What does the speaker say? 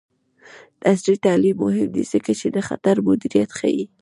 عصري تعلیم مهم دی ځکه چې د خطر مدیریت ښيي.